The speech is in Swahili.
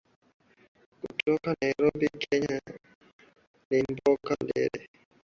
kutoka nairobi kenya ni amboka andere